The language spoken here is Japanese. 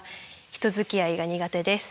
人づきあいが苦手です。